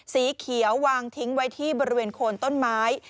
สีเขียววางทิ้งไว้ที่บริเวณโคนต้นไม้